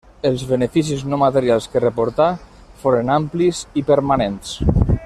Els beneficis no materials que reportà foren amplis i permanents.